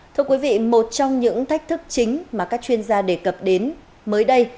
thưa quý vị một trong những thách thức chính mà các chuyên gia đề cập đến mới đây